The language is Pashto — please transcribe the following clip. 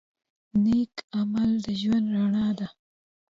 نیک عمل د ژوند رڼا ده.